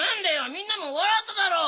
みんなもわらっただろ。